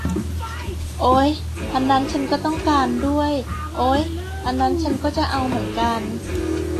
โอ๊ย อันนั้นฉันก็ต้องการด้วย โอ๊ย อันนั้นฉันก็จะเอาเหมือนกัน